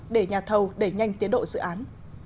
để nhà thầu để nhanh tiến độ dự án